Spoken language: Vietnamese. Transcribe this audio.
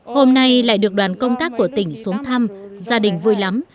hôm nay lại được đoàn công tác của tỉnh xuống thăm gia đình vui lắm